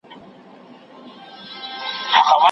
لېوال